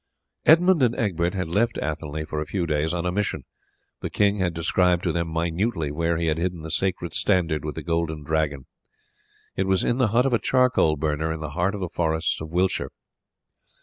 Edmund and Egbert had left Athelney for a few days on a mission. The king had described to them minutely where he had hidden the sacred standard with the Golden Dragon. It was in the hut of a charcoal burner in the heart of the forests of Wiltshire.